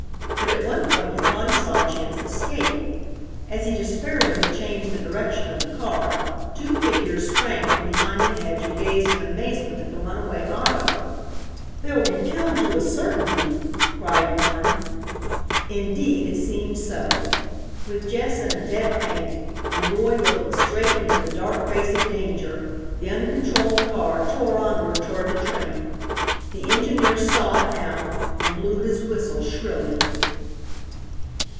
But at one point he thought he saw a chance of escape. As he despairingly changed the direction of the car two figures sprang from behind the hedge and gazed in amazement at the runaway auto. "They'll be killed to a certainty!" cried one. Indeed it seemed so. With Jess in a dead faint and Roy looking straight into the dark face of danger the uncontrolled car tore onward toward the train. The engineer saw it now and blew his whistle shrilly.